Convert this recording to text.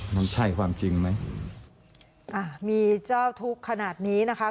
มันใช่ความจริงไหมอ่ามีเจ้าทุกข์ขนาดนี้นะคะ